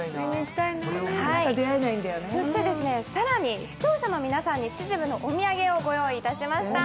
そして更に視聴者の皆さんに秩父のお土産を御用意いたしました。